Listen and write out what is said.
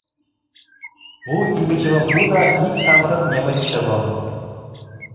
Лу игычывым пу да ик самырык немыч чывым.